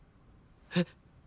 えっ。